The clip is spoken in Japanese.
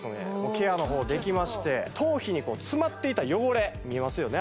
ケアの方できまして頭皮に詰まっていた汚れ見えますよね